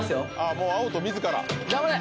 もうあおと自ら頑張れ！